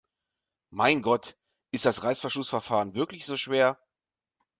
Mein Gott, ist das Reißverschlussverfahren wirklich so schwer?